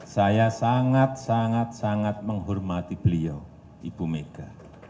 saya sangat sangat sangat menghormati beliau ibu mega